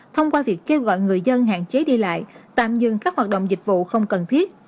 thông qua việc kêu gọi người dân hạn chế đi lại tạm dừng các hoạt động dịch vụ không cần thiết